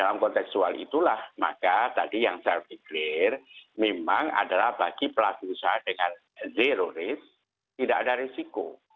dalam konteksual itulah maka tadi yang saya deklarasi memang adalah bagi pelaku usaha dengan zero risk tidak ada risiko